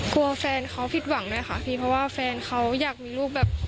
แฟนเขาผิดหวังด้วยค่ะพี่เพราะว่าแฟนเขาอยากมีลูกแบบ